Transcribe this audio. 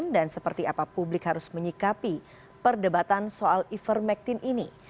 dan seperti apa publik harus menyikapi perdebatan soal ivermectin ini